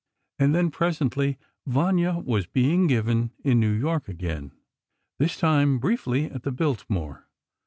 And then, presently, "Vanya" was being given in New York again, this time briefly, at the Biltmore.